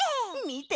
みて！